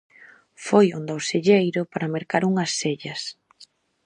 Foi onda o selleiro para mercar unhas sellas.